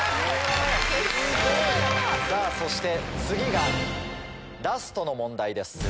そして次がラストの問題です。